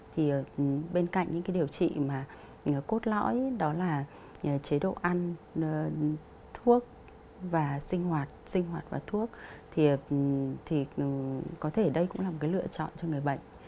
thì bên cạnh những cái điều trị mà cốt lõi đó là chế độ ăn thuốc và sinh hoạt sinh hoạt và thuốc thì có thể đây cũng là một cái lựa chọn cho người bệnh